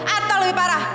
atau lebih parah